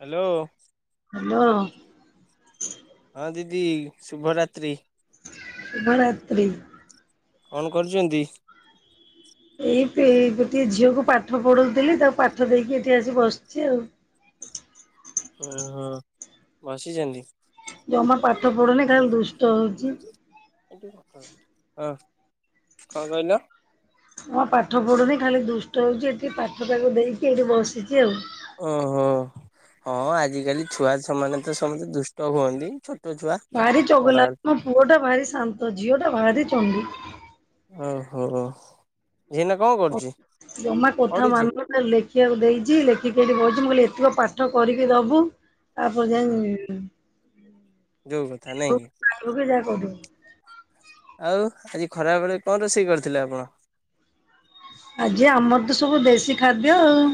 Hello. Hello. ହଁ ଦିଦି ଶୁଭରାତ୍ରି। ଶୁଭ ରାତ୍ରି। କଣ କରୁଛନ୍ତି? ଏଇ ଗୋଟେ ଝିଅକୁ ପାଠ ପଢଉଥିଲି ତାକୁ ପାଠ ଦେଇକି ଏଠି ଆସି ବସିଛି ଆଉ। ଓହୋ ବସିଛନ୍ତି। ଜମା ପାଠ ପଢୁନି ଖାଲି ଦୁଷ୍ଟ ହଉଛି। ହ କଣ କହିଲ? ହଁ ପାଠ ପଢୁନି ଖାଲି ଦୁଷ୍ଟ ହଉଛି ଏଠି ପାଠ ତାକୁ ଦେଇକି ଏଠି ବସିଛି ଆଉ। ଓହୋ ହଁ ଆଜିକାଲି ଛୁଆଛୁ ମମାନେ ତ ସମସ୍ତେ ଦୁଷ୍ଟ ହୁଅନ୍ତି ଛୋ ଭାରି ଚଗଲା ମୋ ପୁଅ ଟା ଭାରି ଶାନ୍ତ ଝିଅ ଟା ଭାରି ଚଣ୍ଡୀ। ଓହୋ ଝିଅ ଏଇନା କଣ କରୁଛି ଜମା କଥା ପଢୁଛି। ମାନୁନି ଲେଖିବାକୁ ଦେଇଛି ଲେଖିକି ଏଠି ବଇଛି ମୁଁ କହିଲି ଏତକ ପାଠ କରିକି ଦବୁ। ଆପଣ ଯା ହଁ [unintelligible] ଯୋଉ କଥା ନାଇଁ କି [unintelligible] ଆଉ ଆଜି ଖରାବେଳେ କଣ ରୋଷେଇ କରିଥିଲେ ଆପଣ। ଆଜି ଆମର ତ ସବୁ ଦେଶୀ ଖାଦ୍ୟ ଆଉ।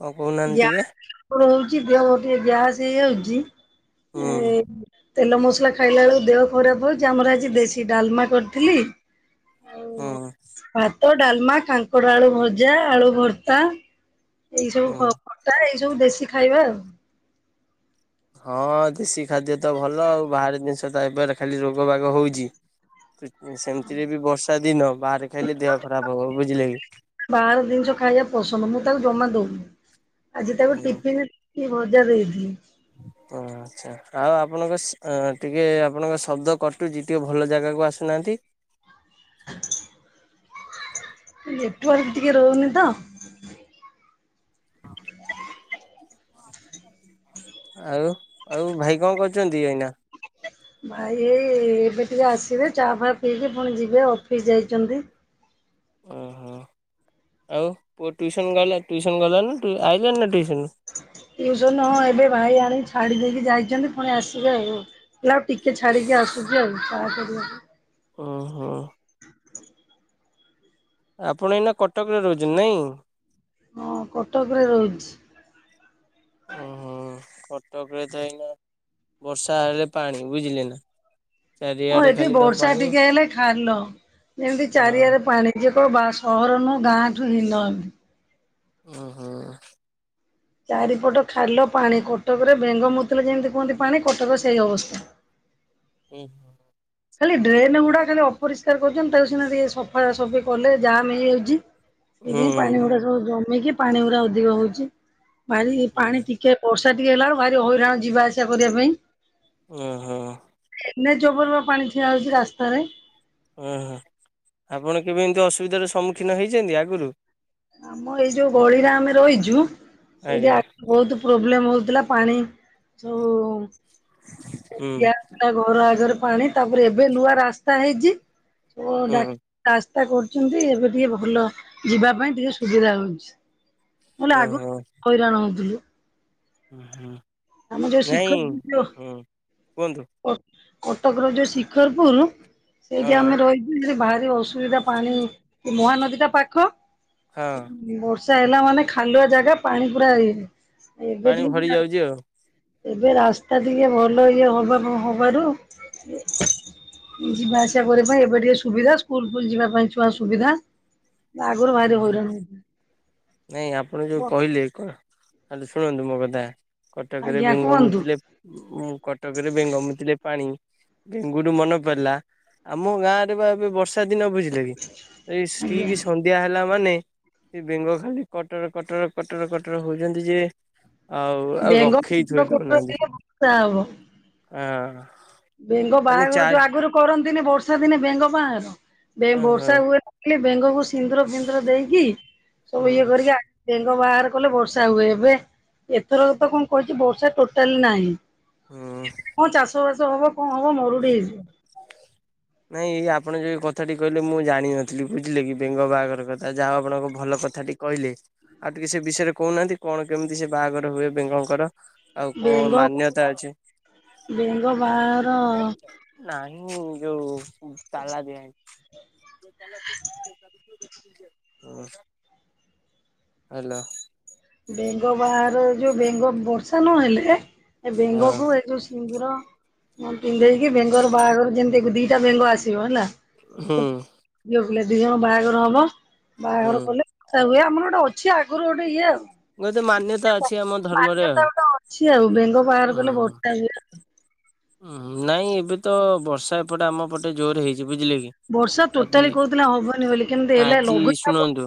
କଣ କହୁନାହାନ୍ତି ଟିକେ। ହଉଛି ଦେହ ଗୋଟେ ଗ୍ୟାସ୍ ହେଇ ଯାଉଛି ହୁଁ ଏ। ତେଲ ମସଲା ଖାଇଲା ବେଳକୁ ଦେହ ଖରାପ ହଉଛି ଆମର ଆଜି ଦେଶୀ ଡାଲମା କରିଥିଲି। ହଉ ହୁଁ [unintelligible] ବା ଟ ଡାଲମା କାଙ୍କଡ ଆଳୁ ଭଜା ଆଳୁ ଭର୍ତ୍ତା ଏଇ ସବୁ ହୁଁ। ଭ [unintelligible] ତା ଏଇ ସବୁ ଦେଶୀ ଖାଇବା ଆଉ। ହଁ ଦେଶୀ ଖାଦ୍ୟ ତ ଭଲ ଆଉ ବାହାର ଜିନିଷ ତ ଏବେର। ଖାଲି ରୋଗ ବାଗ ହଉଛି ସେମିତିରେ ବି ବର୍ଷା। ଦିନ ବାହାରେ ଖାଇଲେ ଦେହ ଖରାପ ହବ ବୁଝିଲେ କି। ବାହାର ଜିନିଷ ଖାଇବା ପସନ୍ଦ ମୁଁ ତାକୁ ଜମା ଦଉନି ଆଜି ତାକୁ ହୁଁ ଟିଫିନ। କି ଭଜା ଦେଇଥିଲ। ହ ଆଛା। ଆଉ ଆପଣଙ୍କ ଟିକେ ଆପଣଙ୍କ ଶବ୍ଦ କଟୁଛି ଟିକେ ଭଲ ଜାଗାକୁ ଆସୁନାହାନ୍ତି। [inaudible] ନେଟୱାର୍କ ଟିକେ ରହୁନି ତ। [inaudible] ଆଉ ଆଉ ଭାଇ କଣ କରୁଛନ୍ତି ଏଇନା? ଭାଇ ଏଇ ଏବେ ଟିକେ ଆସିବେ ଚାହା ଫାହା ପିଇକି ପୁଣି ଯିବେ ଅଫିସ୍ ଯାଇଛନ୍ତି। ଓହୋ ଆଉ ପୁଅ ଟିୁସନ୍ ଗଲା ଟିଉସନ୍ ଗଲା ନା ଆଇଲାଣି ନା ଟିୁସନରୁ। ଟିଉସନ୍ ହଁ ଏବେ ଭାଇ ଆଣିକି ଛାଡ଼ି ଦେଇକି ଯାଇଛନ୍ତି ପୁଣି ଆସିବେ ଆଉ। ଲା ଆଉ ଟିକେ ଛାଡିକି ଆସୁଛି ଆଉ ଚାହା କରିବାକୁ। ଓ ହୋ। ଆପଣ ଏଇନା କଟକରେ ରହୁଛନ୍ତି ନାଇଁ। ହଁ କଟକରେ ରହୁଛି। କଟକ ରେ ତ ଏଇନା ବର୍ଷା ହେଲେ ପାଣି ବୁଝିଲେ ନା। ହଁ ଚାରିଆଡେ ଏଠି ଖାଲି ତ ବର୍ଷା ପାଣି ଟିକେ ହେଲେ ଖାଲ ଯେମିତି ହଁ। ଚାରିଆରେ ପାଣି। ଯିଏ କ ବା ସହରନୁ ଗାଁଠୁ ହିନମ। ଓ ହୋ ଚାରିପଟ ଖାଲ ପାଣି କଟକରେ ବେଙ୍ଗ ମୁତଲେ ଯେମିତି କୁହନ୍ତି ପାଣି କଟକ ସେଇ ଅବସ୍ଥା। ଉଁ ଖାଲି ଡ୍ରେନ୍ ଗୁଡା ଖାଲି ଅପରିଷ୍କାର କରୁଛନ୍ତି। ତା ସିନା ଟିକେ ସଫା, ସଫି କଲେ ଜାମ୍ ହେଇଯାଉଛି। ସେଥି ପାଣି ଗୁଡା ସବୁ ଜମିକି ପାଣି ଗୁଡା ଅଧିକ ହଉଛି ପାଣି ହୁଁ ପାଣି ଟି କିଏ ବର୍ଷା ଟିକେ ହେଲା ବ ଭି ହଇରାଣ ଯିବା ଆସିବା କରିବା ପାଇଁ। ଓ ହୋ ଏନ ଏଚ ଉପର ପାଣି ଠିଆ ହଉଛି ରାସ୍ତାରେ। ଓ ହୋ ଆପଣ କେବେ ଏମିତି ଅସୁବିଧାର ସମ୍ମୁଖୀନ ହେଇଛନ୍ତି। ଆଗରୁ ଆମ ଏଇ ଯୋଉ ଗଳିରେ ଆମେ ରହିଚୁ ଆଜ୍ଞା ସେଇଠା ବହୁତ ପ୍ରୋବ୍ଲେମ ହଉଥିଲା ପାଣି ସବୁ ହୁଁ କା ଘର ଆଗରେ ପାଣି ତାପରେ ଏବେ ନୂଆ ରାସ୍ତା ହେଇଛି ଡା ହୁଁ ରାସ୍ତା କରୁଛନ୍ତି ଏବେ ଟିକେ ଭଲ ଯିବା ପାଇଁ ଟିକେ ସୁବିଧା ହଉଛି। ନହେଲେ ଆଗରୁ ଓହୋ ହଇରାଣ ହଉଥିଲୁ। ହୁଁ ହୁଁ ଆମେ ଯୋଉ ନାଇଁ ହୁଁ କୁହନ୍ତୁ କଟକ ର ଯୋଉ ଶିଖରପୁରୁରୁ ହଁ ସେଇଠି ଆମେ ରହିଛୁ ସେଠି ଭାରି ଅସୁ ଏଇଟା ପାଣିରୁ ମହାନଦୀ ଟା ପାଖ। ହଁ [inaudible] ବର୍ଷା ହେଲା ମାନେ ଖାଲୁଆ ଜାଗା ପାଣି ପୁରା ଏହେ ପାଣି ଭରି ଯାଉଛି। ଆଉ ଏବେ ରାସ୍ତା ଟିକେ ଭଲ ଇଏ ହବା ନହବାରୁ ଯିବା ଆସିବା କରିବା ପାଇଁ ଏବେ ଟିକେ ସୁବିଧା ସ୍କୁଲ ଫୁଲ ଯିବା ପାଇଁ ଛୁଆ ସୁବିଧା। ଆଗରୁ ଭାରି ଯାହା ହଇରାଣ ହଉଥିଲେ ନାଇଁ ଆପଣ ଯୋଉ କହିଲେ କଣ ହ୍ୟାଲୋ ଶୁଣନ୍ତୁ ମୋ କଥା କଟକରେ ଆଜ୍ଞା ବେଙ୍ଗ କୁହନ୍ତୁ ମୁୁତିଲେ କଟକରେ ବେଙ୍ଗ ମୁୁତିଲେ ପାଣି। ବେଙ୍ଗରୁ ମନେ ପଡିଲା ଆମ ଗାଁ ରେ ବା ଏବେ ବର୍ଷା ଦିନ ବୁଝ ଏଇ ଆଜ୍ଞା ଷ୍ଟିକି ସନ ନ୍ଧ୍ୟା ହେଲା ମାନେ ସେ ବେଙ୍ଗ ଖାଲି କଟର କଟର କଟର କଟର ହଉଛନ୍ତି ଯେ ଆଉ ଆଉ ବେଙ୍ଗ ରଖେଇ କଟର କଟର ଥୋଇଦଉନାହାନ୍ତି ହେଲେ ବର୍ଷା ହବ। ହଁ ବେଙ୍ଗ ବାହାଘର ଯୋଉ ଆଗରୁ କରନ୍ତିନି ବର୍ଷା ଦିନେ ବେଙ୍ଗ ବାହାଘର ଓହୋ ବର୍ଷା ହୁଏ ଲି ବେଙ୍ଗକୁ ସିନ୍ଦୁର ଫିନ୍ଦୁର ଦେଇକି ସବୁ ହୁଁ। ଇଏ କରିକି ଆ ବେଙ୍ଗ ବାହାର କଲେ ବର୍ଷା ହୁଏ ଏବେ ଏଥର ତ କଣ କଛି ବର୍ଷା ଟୋଟାଲି ନାହିଁ। ହୁଁ କଣ ଚାଷ ବାସ ହବ କଣ ହବ ମରୁଡି ହେଇଯିବ। ନାଇଁ ଏଇ ଆପଣ ଯୋଉ କଥାଟି କହିଲେ ମୁଁ ଜାଣିନଥିଲି ବୁଝିଲେ କି ବେଙ୍ଗ ବାହାଘର କଥା ଯାହା ଆପଣଙ୍କ ଭଲ କଥାଟି କହିଲେ ଆଉ ଟିକେ ସେ ବିଷୟରେ କହୁନାହାନ୍ତି କଣ କେମିତି ସେ ବାହାଘର ହୁଏ ବେଙ୍ଗଙ୍କର ଆଉ କଣ ବେଙ୍ଗ ମାନ୍ୟତା ଅଛି। ବେଙ୍ଗ ବାହାଘର ନହିଁ ଯୋଉ ତାଲା ଦିଆହେଇ [inaudible] ହୁଁ ହ୍ୟାଲୋ ବେଙ୍ଗ ବାହାର ଯୋଉ ବେଙ୍ଗ ବର୍ଷା ନହେଲେ। ଏ ହଁ ବେଙ୍ଗକୁ ଏ ଯୋଉ ସିନ୍ଦୁର ମୁଁ ପିନ୍ଧେଇକି ବେଙ୍ଗର ବାହାଘର ଯେମିତି ଦିଟା ବେଙ୍ଗ ଆସିବ ହେଲା। ହଁ କହିଲେ ଦି ଜଣ ବାହାଘର ହବ ହୁଁ। ବାହାଘର କଲେ ତା ବୋଲି ଆମର ଗୋଟେ ଅଛି ଆଗରୁ ଗୋଟେ ଇଏ ଆଉ। ଗୋଟେ ମାନ୍ୟତା ଅଛି ଆମ ଧର୍ମରେ ମାନ୍ୟତା ଗୋଟେ ଅଛି ଆଉ ବେଙ୍ଗ ବାହାଘର କଲେ ହୁଁ ବର୍ଷା ହୁଏ ଆଉ। ହଁ ନାଇଁ ଏବେ ତ ବର୍ଷା ଏପଟେ ଆମ ପଟେ ଜୋର ହେଇଛି ବୁଝିଲେ କି ବର୍ଷା ଆଜି ଟୋଟାଲି କହୁଥିଲା ହବନି ବୋଲି କେମତି ହେଲେ ଆଜି ଲଘୁ ଶୁଣନ୍ତୁ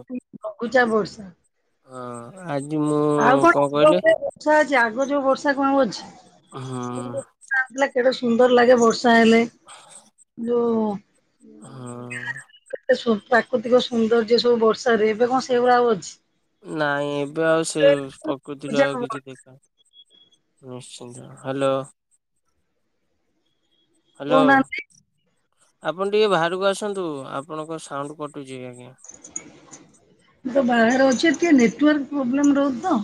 ହଁ ଆଜି ମୁଁ ଆଉ କଣ ଆଗ କହିଲେ ଭଳିଆ ଆଗ ଯୋଉ ବର୍ଷା କଣ ଆଉଅଛି, ହୁଁ କେଡେ ସୁନ୍ଦର ଲାଗେ ବର୍ଷ ର୍ଷା ହେଲେ ଯୋଉ ହଁ ଏ ପ୍ରାକୃତିକ ସୌନ୍ଦର୍ଯ୍ୟ ସବୁ ବର୍ଷାରେ ଏବେ କଣ ସେଇ ଭଳିଆ ଆଉ ଅଛି। ନାଇଁ ଏବେ ଆଉ ସେ ପ୍ରକୃତିର ଆଉ ଲଘୁଚାପ କିଛି ବର୍ଷା। ଦେଖା ନିଶ୍ଚିନ୍ତ ହ୍ୟାଲୋ ହ୍ୟାଲୋ କହୁନାହାନ୍ତି। ଆପଣ ଟିକେ ବାହାରକୁ ଆସନ୍ତୁ ଆପଣଙ୍କ ସାଉଣ୍ଡ କଟୁଛି ଆଜ୍ଞା। ମୁ ତ ବାହାରେ ଅଛ ଟିକେ ନେଟୱାର୍କ ପ୍ରୋବ୍ଲେମ ରହୁଛି ତ।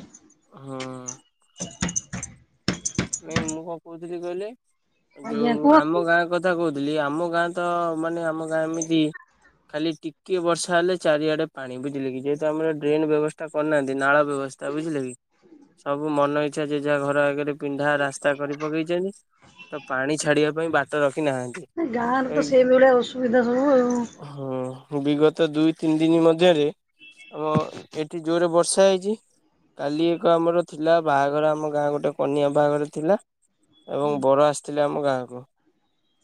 ହଁ [inaudible] ନାଇଁ ମୁଁ କଣ କହୁଥିଲି କହିଲେ ଆଜ୍ଞା ଯୋଉ କୁହନ୍ତୁ। ଆମ ଗାଁ କଥା କଥା କହୁଥିଲି ଆମ ଗାଁ ତ ମାନେ ଆମ ଗାଁ ଏମିତି। ଖାଲି ଟିକେ ବର୍ଷା ହେଲେ ଚାରିଆଡେ ପାଣି ବୁଝିଲେ କି ଯେହେତୁ ଆମର ଡ୍ରେନ ବ୍ୟବସ୍ଥା। କରି ନାହାନ୍ତି ନାଳ ବ୍ୟବସ୍ଥା ବୁଝିଲେ କି ସବୁ ମନ ଇଚ୍ଛା ଯେ ଯାହା ଘର ଆଗରେ ପିଣ୍ଡା ରାସ୍ତା କରି ପକେଇଛନ୍ତି ତ ପାଣି ଛାଡିବା ପାଇଁ ବାଟ ରଖି ନାହାନ୍ତି। ଗାଁରେ ତ ଏଇ ସେଇଭଳିଆ ଅସୁବିଧା ସବୁ ଆଉ। ହଁ ବିଗତ ଦୁଇ ତିନି ଦିନ ମଧ୍ୟରେ। ଆମ ଏଠି ଜୋରରେ ବର୍ଷା ହେଇଛି। କାଲି ଏକ ଆମର ଥିଲା ବାହାଘର ଆମ ଗାଁ ଗୋଟେ। କନିଆ ବାହାଘର ଥିଲା ଏବଂ ବର ଆସିଥିଲା ଆମ ଗାଁକୁ।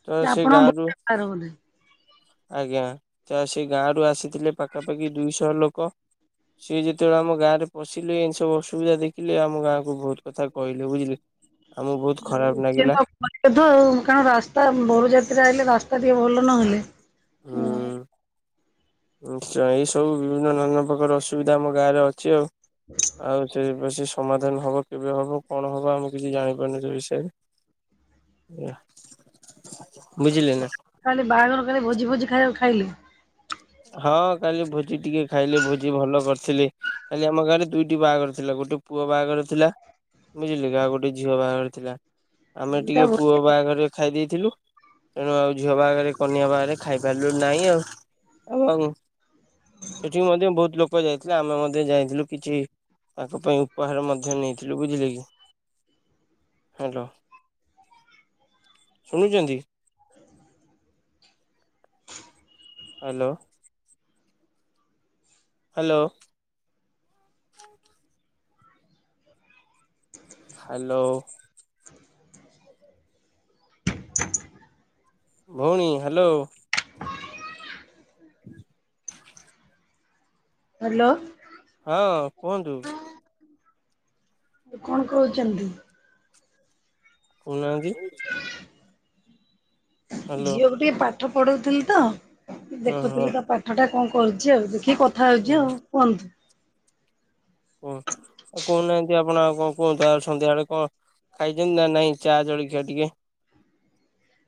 ତ ସେ ଗାଁ ଆପଣଙ୍କ ରୁ ଭୋଟ ଗାଁରେ ବୋଧେ? ଆଜ୍ଞା ତ ସେ ଗାଁ ରୁ ଆସିଥିଲେ ପାଖାପାଖି ଦୁଇଶହ ଲୋକ। ସିଏ ଯେତେବେଳେ ଆମ ଗାଁରେ ପଶିଲେ ଏମିତି ସବୁ ଅସୁବିଧା ଦେଖିଲେ ଆମ ଗାଁକୁ ବହୁତ କଥା। କହିଲେ ବୁଝିଲେ। ଆମକୁ ବହୁତ ଖରାପ ଲାଗିଲା ଆଉ କାରଣ ରାସ୍ତା ବର ଯାତ୍ରୀ ଆଇଲେ ରାସ୍ତା ଟିକେ ଭଲ ନହେଲେ ହୁଁ ନିଶ୍ଚୟ ଏଇ ସବୁ ବିଭିନ୍ନ ନା ନା ପ୍ରକାର ଅସୁବିଧା ଆମ ଗାଁ ରେ ଅଛି ଆଉ ଆଉ ସେ ବ ସମାଧାନ ହବ କେବେ ହବ କଣ ହବ ଆମେ କିଛି ଜାଣିପାରୁନୁ ସେ ବିଷୟରେ। ବୁଝିଲେ ନା। କାଲି ବାହାଘର କାଲି ଭୋଜି ଭୋଜି ଖାଇଲେ? ହଁ କାଲି ଭୋଜି ଟିକେ ଖାଇଲି ଭୋଜି ଭଲ କରିଥିଲେ। କାଲି ଆମ ଗାଆଁ ଦୁଇଟି ବାହାଘର ଥିଲା ଗୋଟେ ପୁଅ ବାହାଘର ଥିଲା। ବୁଝିଲ କି ଆଉ ଗୋଟେ ଝିଅ ବାହାଘର ଥିଲା। ଆମେ ଦିଟା ଟିକେ ଭୋଜି ପୁଅ ବାହାଘରେ ଖାଇ ଦେଇଥିଲୁ, ତେଣୁ ଆଉ ଝିଅ ବାହାଘରେ କନ୍ୟା ବାହାଘରେ ଖାଇ ବେଲୁ ନାହିଁ ଆଉ। ଏବଂ ସେଠି ମଧ୍ୟ ବହୁତ ଲୋକ ଯାଇଥିଲେ ଆମେ ମଧ୍ୟ ଯାଇଥିଲୁ କିଛି ତାଙ୍କ ପାଇଁ ଉପହାର ମଧ୍ୟ ନେଇଥିଲୁ ବୁଝିଲେ କି। ହାଲୋ ଶୁଣୁଛନ୍ତି? ହାଲୋ। ହାଲୋ। ହାଲୋ। ଭଉଣୀ ହାଲୋ। [inaudible] ହାଲୋ। ହଁ କୁହନ୍ତୁ? କଣ କହୁଛନ୍ତି? କୋହୁ ନାହାନ୍ତି? ହ୍ୟାଲୋ ଝିଅକୁ ଟିକେ ପାଠ ପଢଉଥିଲି ତ, ଓହୋ ଦେଖୁଥିଲି ତା ପାଠ ହଟା କଣ କରୁଛି ଆଉ ଦେଖିକି କଥା ହଉଛି ହୁଁ ଆଉ କୁହନ୍ତୁ? ହୁଁ ଆଉ କହୁ ନାହାନ୍ତି ଆପଣ ଆଉ କଣ କୁହନ୍ତୁ ଆଉ ସନ୍ଧ୍ୟାବେଳେ କଣ? ଖାଇଛନ୍ତି ନା ନାଇଁ ଚା ଜଳଖିଆ ଟିକେ?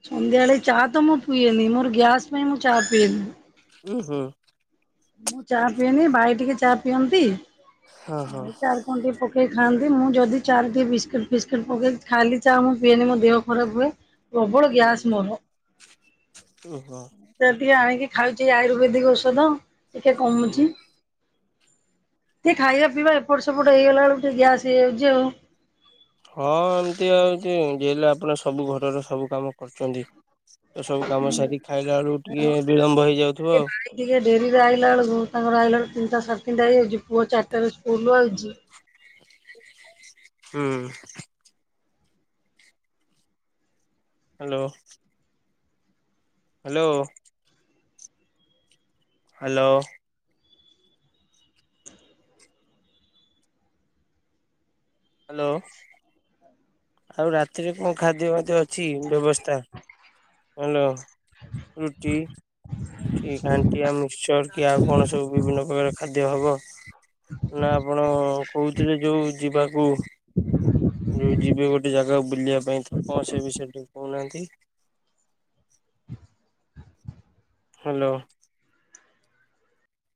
ସନ୍ଧ୍ୟାବେଳେ ଚା ତ ମୁଁ ପିଏନି ମୋର ଗ୍ୟାସ୍ ପାଇଁ ମୁଁ ଚା ପିଏନି। ହୁଁ ହୁଁ। ମୁଁ ଚା ପିଏନି ଭାଇ ଟିକେ ଚା ପିଅନ୍ତି ହଁ ହଁ ଆଉ କଣ ଟିକିଏ ପକେଇ ଖାଆନ୍ତି ମୁଁ ଯଦି ଚା ରେ ଟିକିଏ ବିସ୍କିଟ୍ ଫିସ୍କିଟ୍ ପକାଏ ଖାଲି ଚା ମୁଁ ପିଏନି ମୋ ଦେହ ଖରାପ ହୁଏ। ପ୍ରବଳ ଗ୍ୟାସ୍ ମୋର। [inaudible] ଓ ହୋ। ଟିକେ ଆଣିକି ଖାଉଛି ଆୟୁର୍ବେଦିକ ଔଷଧ ଟିକେ ହୁଁ କମୁଛି। ଟିକେ ଖାଇବା ପିଇବା ଏପଟ ସେପଟ ହେଇଗଲା ବେଳକୁ ଟିକେ ଗ୍ୟାସ୍ ହେଇଯାଉଛି ଆଉ। ହଁ ଏମତି ଆଉଚି ହଲେ ଆପଣ ସବୁ ଘରର ସବୁ କାମ କରୁଛନ୍ତି। ତ ସବୁ କାମ ସାରିକି ଖାଇଲା ବେଳକୁ ଟିକେ ବିଳମ୍ବ ହେଇଯାଉଥିବ ଟିକେ ଆଉ। ଭାଇ ଟିକେ ଡେରିରେ ଆଇଲା ବେଳକୁ ତାଙ୍କର ଆଇଲା ବେଳକୁ ତିନିଟା ସାଡ଼େତିନିଟା ହେଇଯାଉଚି ପୁଅ ଚାରିଟାରେ ସ୍କୁଲରୁ ଆଉଚି। ହୁଁ। ହ୍ୟାଲୋ। ହ୍ୟାଲୋ। ହ୍ୟାଲୋ। ହ୍ୟାଲୋ। ଆଉ ରାତିରେ କଣ ଖାଦ୍ୟ ଫାଦ୍ୟ ଅଛି ବ୍ୟବସ୍ଥା ହାଲୋ। ରୁଟି କି ଘାଣ୍ଟିଆ ମୀ ସର କି ଆଉ କଣ ସବୁ ବିଭିନ୍ନ ପ୍ରକାର ଖାଦ୍ୟ ହବ। ନା ଆପଣ କହୁଥିଲେ ଯୋଉ ଯିବାକୁ ଯ ଯିବେ ଗୋଟେ ଜାଗାକୁ ବୁଲିବା ପାଇଁ କଣ ସେ ବିଷୟରେ ଟିକେ କହୁନାହାନ୍ତି? ହ୍ୟାଲୋ।